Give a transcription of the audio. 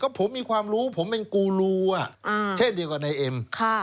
ผมมีความรู้ผมเป็นกูรูเช่นเดียวกับนายเอ็ม